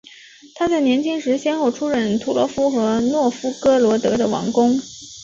他在年轻时先后出任图罗夫和诺夫哥罗德的王公。